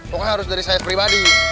pokoknya harus dari saya pribadi